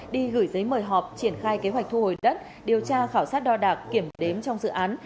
đi gửi giấy mời họp triển khai kế hoạch thu hồi đất điều tra khảo sát đo đạc kiểm đếm trong dự án